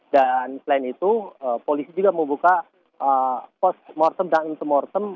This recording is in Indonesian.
dan selain itu polisi juga membuka pos mortem dan intermortem